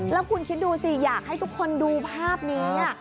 แล้วคุณคิดดูสิอยากให้ทุกคนดูภาพนี้